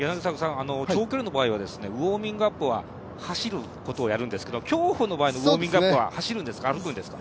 長距離の場合のウォーミングアップは走ることをやるんですけど競歩の場合のウォーミングアップは歩くんですか？